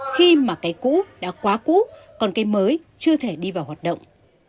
khi mà cây cũ đã quá cũ còn cây mới chưa thể đi vào hoạt động